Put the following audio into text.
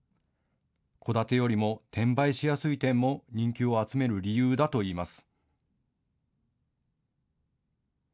戸建てよりも転売しやすい点も人気を集める理由だといいます。